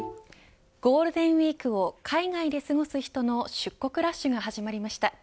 ゴールデンウイークを海外で過ごす人の出国ラッシュが始まりました。